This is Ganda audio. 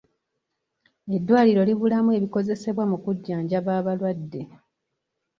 Eddwaliro libulamu ebikozesebwa mu kujjanjaba abalwadde.